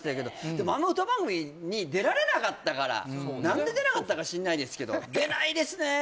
でもあの歌番組に出られなかったから何で出なかったか知んないですけど出ないですね